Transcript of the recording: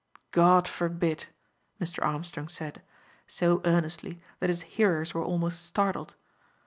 "God forbid!" Mr. Armstrong said, so earnestly that his hearers were almost startled.